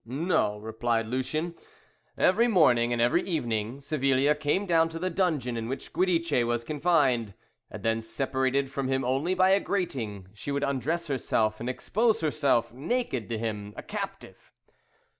"No," replied Lucien. "Every morning and every evening Savilia came down to the dungeon in which Giudice was confined, and then separated from him only by a grating, she would undress herself, and expose herself naked to him, a captive.'